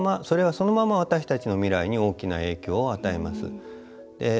それはそのまま私たちの未来に大きな影響を与えます。